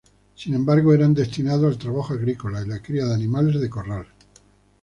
Sin embargo, eran destinados al trabajo agrícola y la cría de animales de corral.